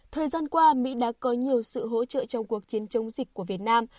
thời gian qua mỹ đã có nhiều sự hỗ trợ trong cuộc chiến chống dịch của việt nam